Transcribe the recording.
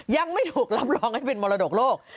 ยังไม่ถูกรับรองให้เป็นมรดกโลก